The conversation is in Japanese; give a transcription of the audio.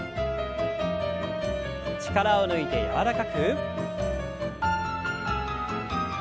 力を抜いて柔らかく。